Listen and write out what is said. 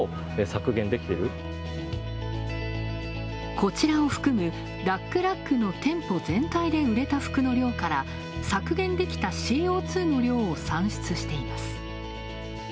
こちらを含む、ＬｕｃｋＲａｃｋの店舗全体で売れた服の量から、削減できたＣＯ２の量を算出しています。